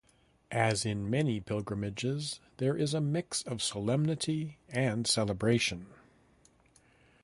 As in many pilgrimages, there is a mix of solemnity and celebration.